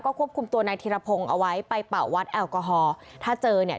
ควบคุมตัวนายธิรพงศ์เอาไว้ไปเป่าวัดแอลกอฮอล์ถ้าเจอเนี่ย